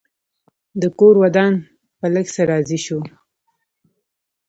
ده کور ودان په لږ څه راضي شو.